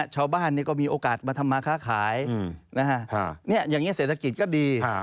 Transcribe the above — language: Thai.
ชาวบ้านก็มีโอกาสมาทำมาค้าขายอย่างนี้เศรษฐกิจก็ดี